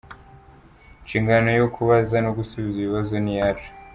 Inshingano yo kubaza no gusubiza ibi bibazo ni iyacu.